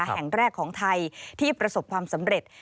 แห่งแรกของไทยที่ประสบความสำเร็จ